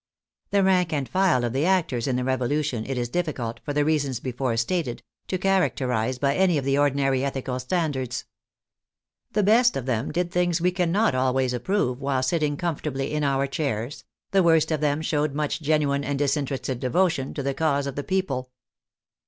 The rank and file of the actors in the Revolution it is difficult, for the reasons before stated, to characterize by any of the ordinary ethical standards. The best of them did things we cannot always approve while sitting com fortably in our chairs, the worst of them showed much genuine and disinterested devotion to the cause of the people.